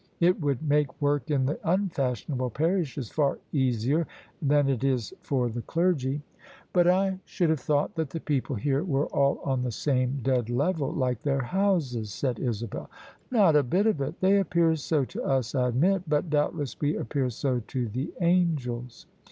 It would make work in the unfashionable parishes far easier than it is for the clergy." " But I should have thought that the people here were all on the same dead level, like their houses," said Isabel. "Not a bit of it. They appear so to us, I admit: but doubtless we appear so to the angels.